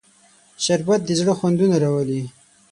شربت د زړه خوندونه راولي